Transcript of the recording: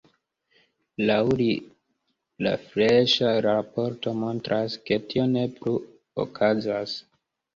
Laŭ li la freŝa raporto montras, ke tio ne plu okazas.